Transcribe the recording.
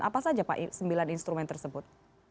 apa saja pak sembilan instrumen tersebut